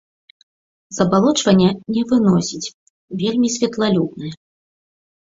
Забалочвання не выносіць, вельмі святлалюбная.